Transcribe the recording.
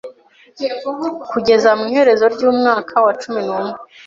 kugeza mu iherezo ry’umwaka wa cumi n’umwe